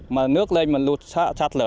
mà nước lên mà lụt sạt lở